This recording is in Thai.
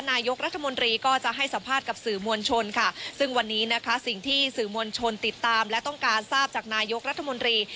นายกรัฐมนตรีก็จะให้สัมภาษณ์กับสื่อมวลชนค่ะซึ่งวันนี้นะคะสิ่งที่สื่อมวลชนติดตามและต้องการทราบจากนายกรัฐมนตรี